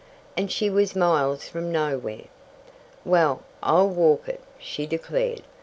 And she was miles from nowhere! "Well, I'll walk it!" she declared.